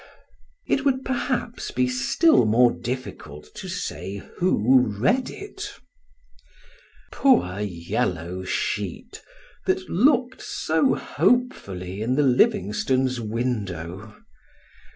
It would perhaps be still more difficult to say who read it. Poor yellow sheet, that looked so hopefully in the Livingstones' window!